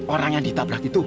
orang yang ditabrak itu